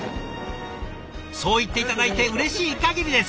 そう言って頂いてうれしいかぎりです。